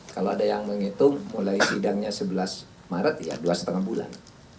kalau ada yang menghitung mulai sidangnya sebelas maret ya dua lima bulan